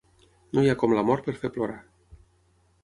No hi ha com la mort per fer plorar.